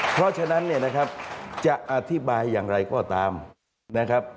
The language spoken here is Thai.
เพราะฉะนั้นเนี่ยนะครับจะอธิบายอย่างไรก็ตามนะครับ